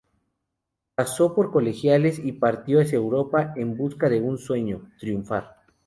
Pasó por Colegiales y partió hacia Europa en busca de un sueño: triunfar.